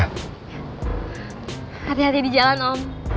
hati hati di jalan om